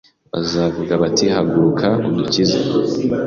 bazavuga bati Haguruka udukize